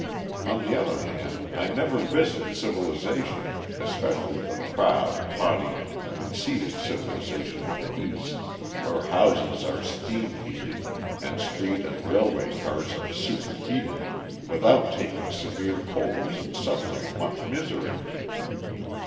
On the other hand, I never visit civilization, especially the proud, haughty, conceited civilization of the East, where houses are steam heated, and street and railway cars are superheated, without taking severe colds and suffering much misery.